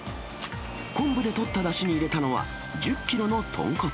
昆布で取っただしに入れたのは、１０キロの豚骨。